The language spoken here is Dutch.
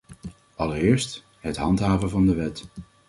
Allereerst het handhaven van de wet.